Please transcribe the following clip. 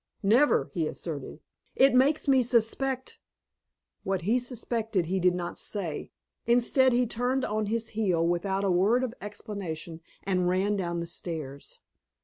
"Never," he asserted. "It makes me suspect " What he suspected he did not say; instead he turned on his heel, without a word of explanation, and ran down the stairs.